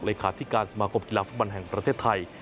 เลขาธิการสมาคมกีฬาฟุตบอลแห่งประเทศไทย